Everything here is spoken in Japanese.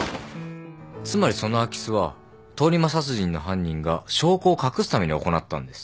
つまりその空き巣は通り魔殺人の犯人が証拠を隠すために行ったんです。